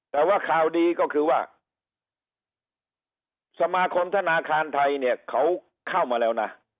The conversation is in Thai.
แต่ว่าข่าวดีก็คือว่าสมาคมธนาคารไทยเนี่ยเขาเข้ามาแล้วนะ